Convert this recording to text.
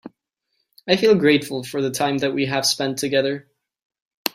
I feel grateful for the time that we have spend together.